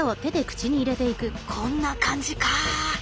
こんな感じか！